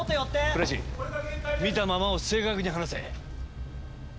倉石見たままを正確に話せ。